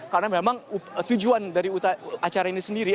karena memang tujuan dari acara ini sendiri